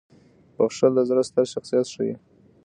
• بخښل د زړه ستر شخصیت ښيي.